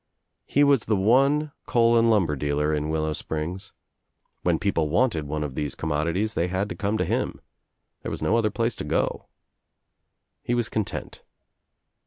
He was the one coal and lumber dealer in Willow Springs. When people wanted one of these commodities they had to come to him. There was no other place to go. He was content.